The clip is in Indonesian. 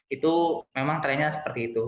itu memang trennya seperti itu